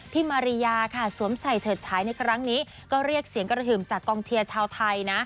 มาริยาค่ะสวมใส่เฉิดฉายในครั้งนี้ก็เรียกเสียงกระหึ่มจากกองเชียร์ชาวไทยนะ